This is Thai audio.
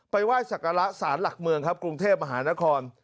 ไห้สักการะสารหลักเมืองครับกรุงเทพมหานคร